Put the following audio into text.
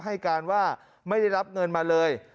ให้การว่าไม่ได้รับเงินมาเลย